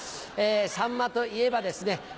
さんまといえばですね